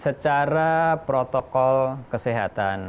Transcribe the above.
secara protokol kesehatan